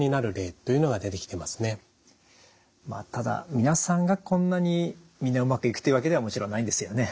ただ皆さんがこんなにみんなうまくいくというわけではもちろんないんですよね。